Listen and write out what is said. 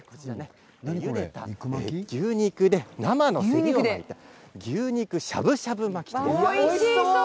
ゆでた牛肉で生のせりを巻いた牛肉しゃぶしゃぶ巻き。